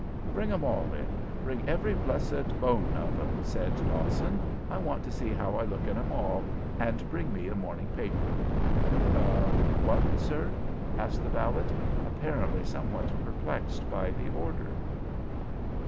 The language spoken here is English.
"Bring 'em all in; bring every blessed bone of 'em," said Dawson. "I want to see how I look in 'em all; and bring me a morning paper." "A what, sir?" asked the valet, apparently somewhat perplexed by the order.